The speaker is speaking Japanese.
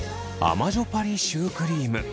まじょぱりシュークリーム。